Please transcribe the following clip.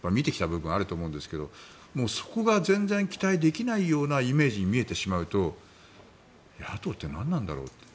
部分あると思うんですけどそこが全然期待できないようなイメージに見えてしまうと野党って何なんだろうと。